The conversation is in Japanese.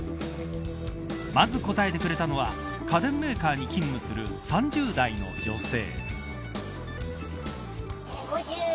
まず答えてくれたのは家電メーカーに勤務する３０代の女性。